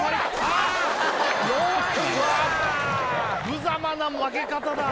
ぶざまな負け方だ。